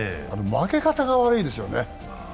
負け方が悪いですよね。